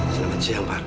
selamat siang pak